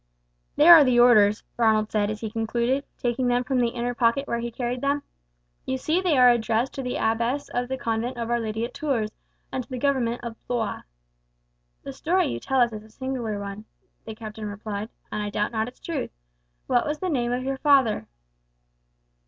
"There are the orders," Ronald said as he concluded, taking them from the inner pocket where he carried them. "You see they are addressed to the abbess of the convent of Our Lady at Tours, and to the governor of Blois." "The story you tell us is a singular one," the captain replied, "and I doubt not its truth. What was the name of your father?"